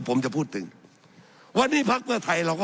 สับขาหลอกกันไปสับขาหลอกกันไป